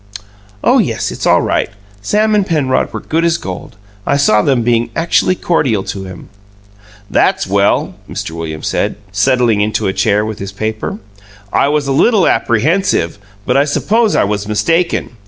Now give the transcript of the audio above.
"Oh, yes; it's all right. Sam and Penrod were good as gold. I saw them being actually cordial to him." "That's well," Mr. Williams said, settling into a chair with his paper. "I was a little apprehensive, but I suppose I was mistaken.